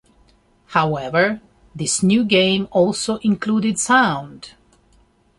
However, this new game also includes sound.